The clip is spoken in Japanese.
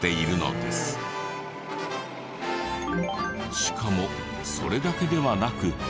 しかもそれだけではなく。